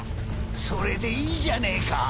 それでいいじゃねえか。